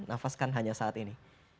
nafas kan hanya saat ini